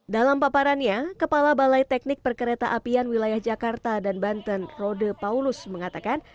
dalam paparannya kepala balai teknik perkereta apian wilayah jakarta dan banten rode paulus mengatakan